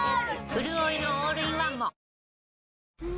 うるおいのオールインワンも！